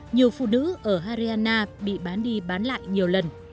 nhiều phụ nữ ở hariana bị bán đi bán lại nhiều lần